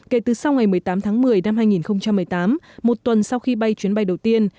kể từ sau ngày một mươi tám tháng một mươi năm hai nghìn một mươi tám một tuần sau khi bay chuyến bay đầu tiên